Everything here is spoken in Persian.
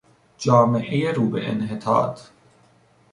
جامعهی روبه انحطاط